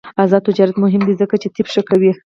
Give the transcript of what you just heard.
آزاد تجارت مهم دی ځکه چې طب ښه کوي.